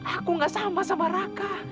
aku gak sama sama raka